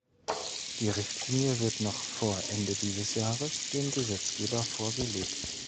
Die Richtlinie wird noch vor Ende dieses Jahres dem Gesetzgeber vorgelegt.